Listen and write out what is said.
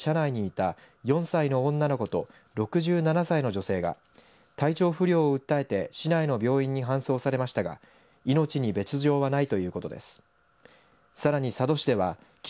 小千谷市ではきのうから、けさにかけて渋滞に巻き込まれて車内にいた４歳の女の子と６７歳の女性が体調不良を訴えて市内の病院に搬送されましたが命に別状はないということです。